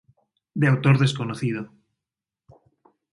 De autor desconocido.